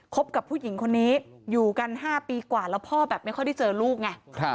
บกับผู้หญิงคนนี้อยู่กัน๕ปีกว่าแล้วพ่อแบบไม่ค่อยได้เจอลูกไง